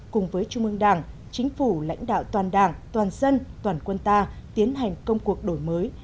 cùng với trung ương đảng chính phủ lãnh đạo toàn đảng toàn dân toàn quân ta tiến hành công cuộc đổi mới